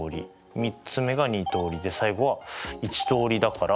３つ目が２通りで最後は１通りだから。